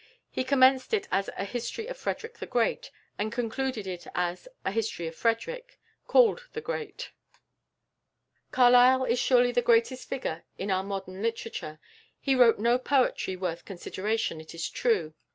He commenced it as a "History of Frederick the Great," and concluded it as a "History of Frederick, called the Great." Carlyle is surely the greatest figure in our modern literature. He wrote no poetry worth consideration, it is true.